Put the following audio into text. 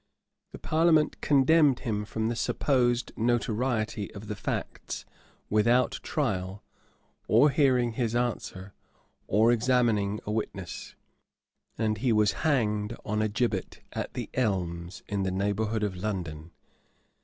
[] The parliament condemned him from the supposed notoriety of the facts, without trial, or hearing his answer, or examining a witness; and he was hanged on a gibbet at the Elmes, in the neighborhood of London.